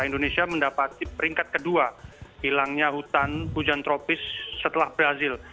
indonesia mendapati peringkat kedua hilangnya hutan hujan tropis setelah brazil